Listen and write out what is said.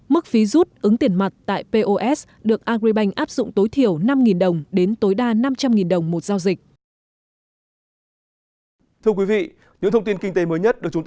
mức phí rút ứng tiền mặt tại pos được agribank áp dụng tối thiểu năm đồng đến tối đa năm trăm linh đồng một giao dịch